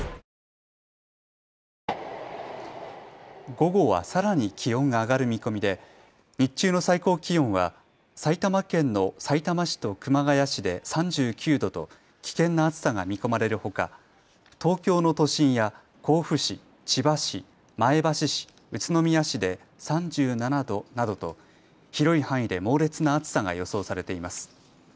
午後はさらに気温が上がる見込みで日中の最高気温は埼玉県のさいたま市と熊谷市で３９度と危険な暑さが見込まれるほか東京の都心や甲府市、千葉市、前橋市、宇都宮市で３７度などと広い範囲で猛烈な暑さが予想されています。